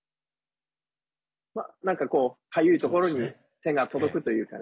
かゆいところに手が届くというか。